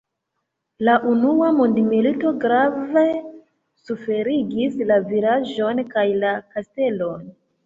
La unua mondmilito grave suferigis la vilaĝon kaj la kastelon.